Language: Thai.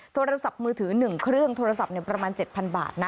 โทรศัพท์มือถือ๑เครื่องโทรศัพท์ประมาณ๗๐๐บาทนะ